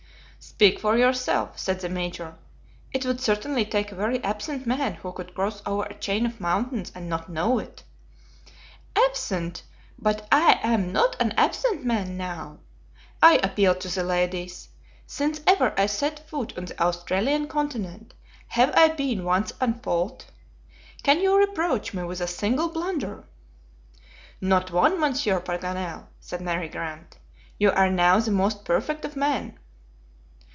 "Speak for yourself," said the Major. "It would certainly take a very absent man who could cross over a chain of mountains and not know it." "Absent! But I am not an absent man now. I appeal to the ladies. Since ever I set foot on the Australian continent, have I been once at fault? Can you reproach me with a single blunder?" "Not one. Monsieur Paganel," said Mary Grant. "You are now the most perfect of men."